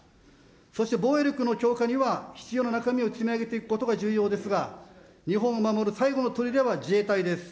そして防衛力の強化には、必要な中身を積み上げていくことが重要ですが、日本を守る最後のとりでは自衛隊です。